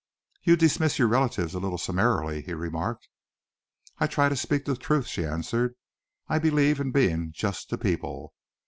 "You dismiss your relatives a little summarily," he remarked. "I try to speak the truth," she answered. "I believe in being just to people.